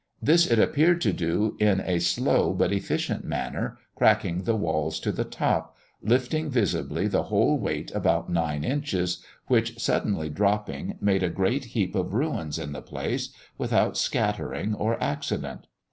This it appeared to do in a slow but efficient manner, cracking the walls to the top, lifting visibly the whole weight about nine inches, which suddenly dropping, made a great heap of ruins in the place, without scattering or accident.